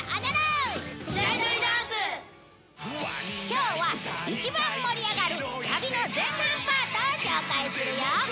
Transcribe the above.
今日は一番盛り上がるサビの前半パートを紹介するよ